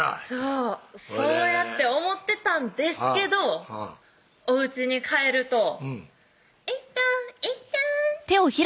そうそうやって思ってたんですけどおうちに帰ると「えったんえったん」